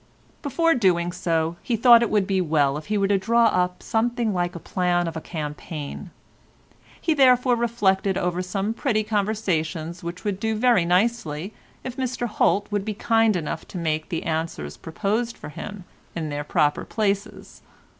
Before doing so, he thought it would be well if he were to draw up something like a plan of a campaign; he therefore reflected over some pretty conversations which would do very nicely if Mr Holt would be kind enough to make the answers proposed for him in their proper places.